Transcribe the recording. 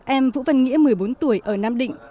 em vũ văn nghĩa một mươi bốn tuổi ở nam định